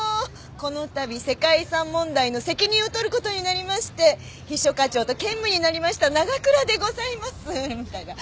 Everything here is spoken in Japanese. このたび世界遺産問題の責任を取ることになりまして秘書課長と兼務になりました長倉でございます」みたいな。